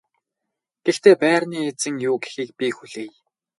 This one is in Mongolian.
Гэхдээ байрны эзэн юу гэхийг би хүлээе.